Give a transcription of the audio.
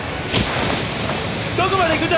どこまで行くんだ！